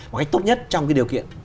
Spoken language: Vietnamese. một cách tốt nhất trong cái điều kiện